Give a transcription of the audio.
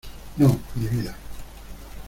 no, mi vida.